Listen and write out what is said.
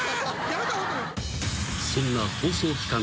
［そんな放送期間